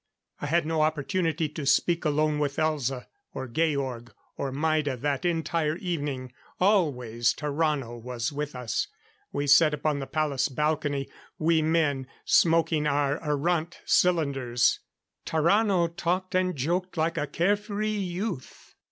I had no opportunity to speak alone with Elza, or Georg or Maida that entire evening. Always Tarrano was with us. We sat upon the palace balcony, we men smoking our arrant cylinders. Tarrano talked and joked like a care free youth.